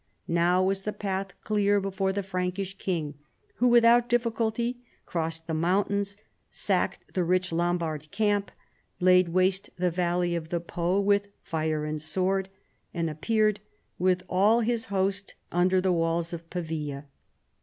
Now was tlie path clear before the Prankish king, who without diffi culty crossed the mountains, sacked the rich Lom bard camp, laid waste the valley of the Po with fire and sword, and appeared with all his host under the walls of Pavia.